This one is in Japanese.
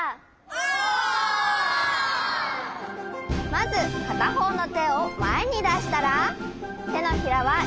まずかたほうのてをまえにだしたらてのひらはジャンケンのパー。